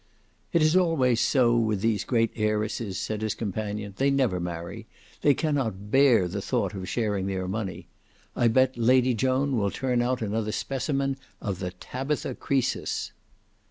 "It is always so with these great heiresses," said his companion. "They never marry. They cannot bear the thought of sharing their money. I bet Lady Joan will turn out another specimen of the TABITHA CROESUS."